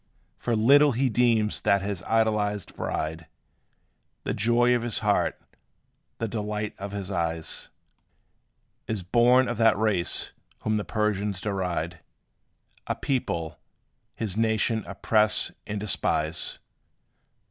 For little he deems that his idolized bride, The joy of his heart the delight of his eyes, Is born of that race whom the Persians deride A people, his nation oppress and despise.